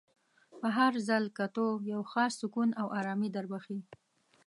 په هر ځل کتو یو خاص سکون او ارامي در بخښي.